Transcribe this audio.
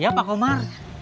iya pak komar